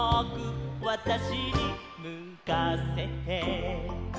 「わたしにむかせて」